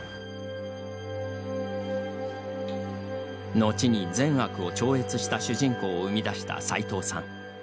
後に善悪を超越した主人公を生み出した、さいとうさん。